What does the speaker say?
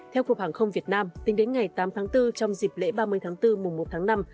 theo khu vực hàng không việt nam tính đến ngày tám tháng bốn trong dịp lễ ba mươi tháng bốn mùng một tháng năm